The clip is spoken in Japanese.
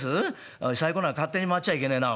おいサイコロが勝手に回っちゃいけねえな。